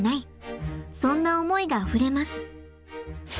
もうそんな思いがあふれます。